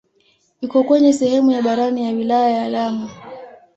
Iko kwenye sehemu ya barani ya wilaya ya Lamu.